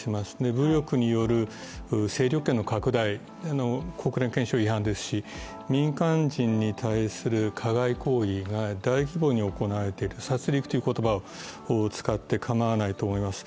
武力による勢力圏の拡大、国連憲章違反ですし民間人に対する加害行為が大規模に行われている殺りくという言葉を使って構わないと思います